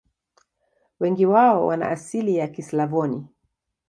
Wengi wao wana asili ya Kislavoni.